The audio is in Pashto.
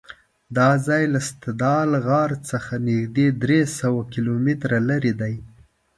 دا ځای له ستادل غار څخه نږدې درېسوه کیلومتره لرې دی.